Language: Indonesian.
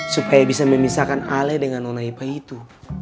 supaya bisa memisahkan ale dengan nona ipa itu